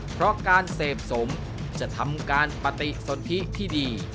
เพราะการเสพสมจะทำการปฏิสนทิที่ดี